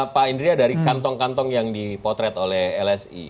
pak indria dari kantong kantong yang dipotret oleh lsi